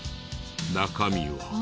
中身は。